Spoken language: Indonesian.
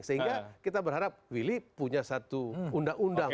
sehingga kita berharap willy punya satu undang undang